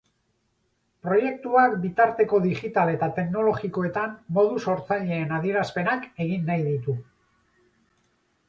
Proiektuak bitarteko digital eta teknologikoetan modu sortzailean adierazpenak egin nahi ditu.